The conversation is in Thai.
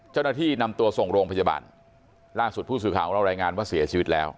เจ้าหน้าที่นำตัวส่งโรงพยาบาลล่าสุดผู้สื่อข่าวของเรารายงานว่าเสียชีวิตแล้ว